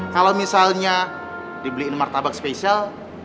kalau misalnya dibeliin martabak spesial